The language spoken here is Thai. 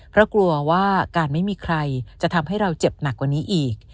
เพราะกลัวว่าการไม่มีใครจะทำให้เราเจ็บหนักกว่านี้อีก